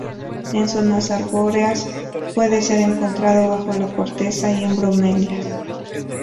En zonas arbóreas, puede ser encontrado bajo la corteza y en bromelias.